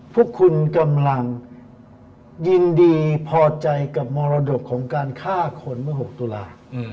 พวกคุณกำลังยินดีพอใจกับมรดกของการฆ่าคนเมื่อ๖ตุลา